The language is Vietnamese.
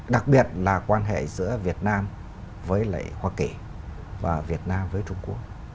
đặc biệt là quan hệ giữa việt nam với lại hoa kỳ và việt nam với trung quốc